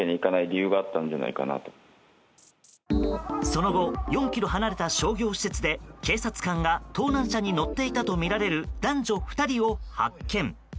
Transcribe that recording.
その後４ｋｍ離れた商業施設で警察官が盗難車に乗っていたとみられる男女２人を発見。